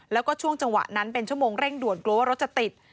แล้วก็ช่วงจังหวะนั้นเป็นชั่วโมงเร่งด่วนกลัวว่ารถจะติด